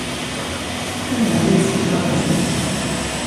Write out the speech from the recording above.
Anda ay ten-teṛjamt?